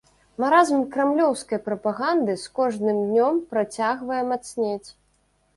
Маразм крамлёўскай прапаганды з кожным днём працягвае мацнець.